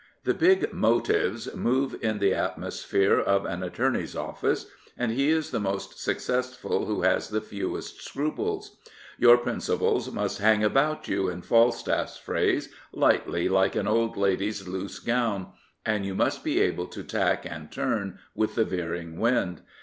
The big motives "tnove in the atmosphere of an attorney's office, and he is the most successful who has the fewest scruples. Your principles must hang about you, in Falstaff's phrase, " lightly, like an old lady's loose gown," and you must be able to tack and turn with the veering wind.